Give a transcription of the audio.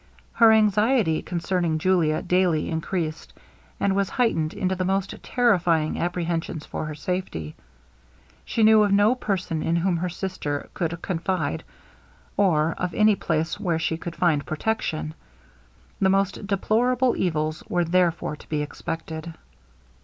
Her anxiety concerning Julia daily encreased, and was heightened into the most terrifying apprehensions for her safety. She knew of no person in whom her sister could confide, or of any place where she could find protection; the most deplorable evils were therefore to be expected.